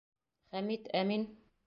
Хәмит, әмин?